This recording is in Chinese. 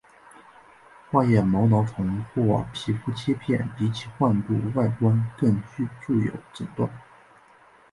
化验毛囊虫或皮肤切片比起患部外观更有助于诊断。